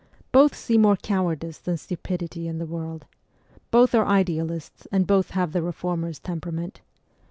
Both see more cowardice than stupidity in the world. Both are idealists and both have the reformer's temperament.